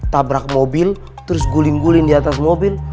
tabrak mobil terus guling guling di atas mobil